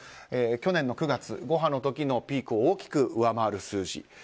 去年の９月、５波の時のピークを大きく上回る数字。